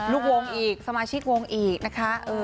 ลูกวงอีกสมาชิกวงอีกนะคะ